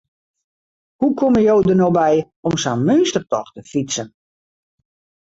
Hoe komme jo der no by om sa'n meunstertocht te fytsen?